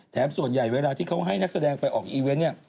ส่วนใหญ่เวลาที่เขาให้นักแสดงไปออกอีเวนต์เนี่ย